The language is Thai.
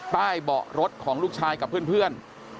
ใต้เบาะรถของลูกชายกับเพื่อน